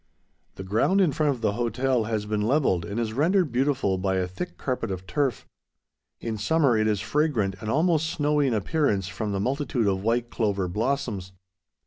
The ground in front of the hotel has been levelled and is rendered beautiful by a thick carpet of turf. In summer it is fragrant and almost snowy in appearance from the multitude of white clover blossoms.